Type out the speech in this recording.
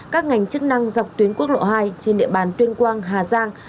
các ngành chức năng dọc tuyến quốc lộ hai trên địa bàn tuyên quang hà giang